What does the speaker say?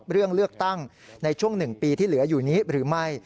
เรื่องเลือกตั้งในช่วง๑ปีที่เหลืออยู่นี้หรือไม่